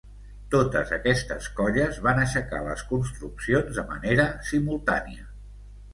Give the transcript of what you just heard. Totes aquestes colles van aixecar les construccions de manera simultània.